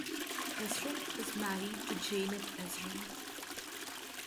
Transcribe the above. Ezrin is married to Janet Ezrin.